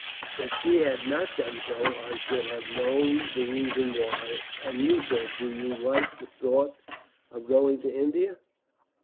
If she had not done so, I should have known the reason why. And you, sir, do you like the thought of going to India?"